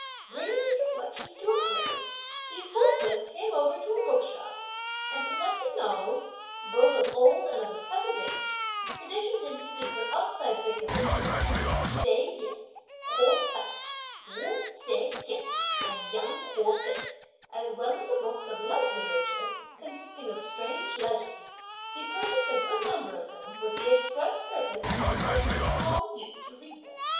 Bringing his reflections to a close, he forthwith came over to a bookshop, and selecting novels, both of old and of the present age, traditions intended for outside circulation on Fei Yen, Ho Te, Wu Tse t'ien, and Yang Kuei fei, as well as books of light literature consisting of strange legends, he purchased a good number of them with the express purpose of enticing Pao yü to read them.